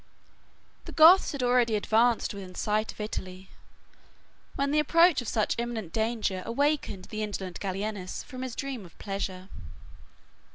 The Goths had already advanced within sight of Italy, when the approach of such imminent danger awakened the indolent Gallienus from his dream of pleasure.